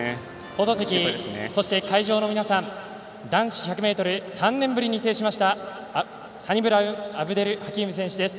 放送席、そして会場の皆さん男子１００ｍ３年ぶりに制しましたサニブラウンアブデルハキーム選手です。